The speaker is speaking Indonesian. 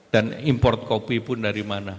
dan import kopi pun dari mana